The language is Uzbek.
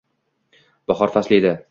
Bahor fasli edi